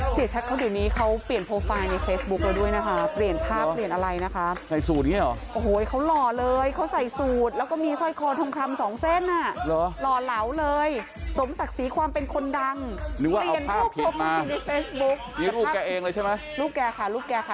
สมศักดิ์สีความเป็นคนดังหรือว่าเอาภาพผิดมากมีรูปแกเองเลยใช่ไหมรูปแกค่ะรูปแกค่ะ